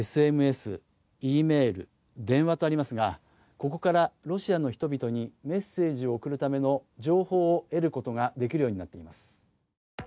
ＳＭＳ、ｅメール、電話とありますが、ここからロシアの人々にメッセージを送るための情報を得ることができるようになっています。